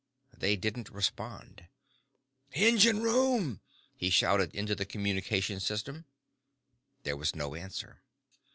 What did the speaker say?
They didn't respond. "Engine room!" he shouted into the communication system. There was no answer.